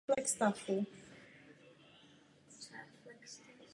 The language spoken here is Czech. Směřuje potom rychle se zahlubujícím a zčásti zalesněným údolím k východu.